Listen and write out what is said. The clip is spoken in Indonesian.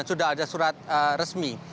sudah ada surat resmi